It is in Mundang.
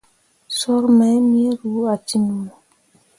Soor mai me ru a ciŋwo.